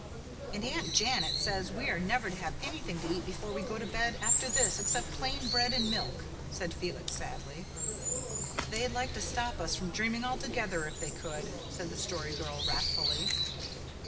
"And Aunt Janet says we are never to have anything to eat before we go to bed after this except plain bread and milk," said Felix sadly. "They'd like to stop us from dreaming altogether if they could," said the Story Girl wrathfully.